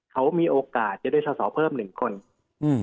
เขามีโอกาสจะได้สอสอเพิ่มหนึ่งคนอืม